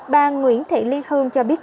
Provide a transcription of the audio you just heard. bà nguyễn thị liên hương cho biết